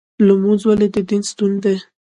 لمونځ ولې د دین ستون دی؟